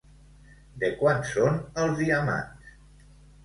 De quant són els diamants?